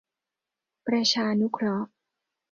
ประชานุเคราะห์